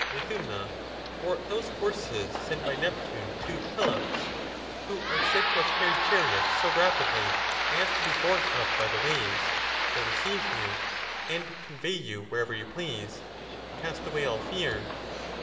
91 Methymna; or those horses sent by Neptune to Pelops (who are said to have carried chariots so rapidly as to be borne up by the waves) will receive you, and convey you wherever you please. Cast away all fear."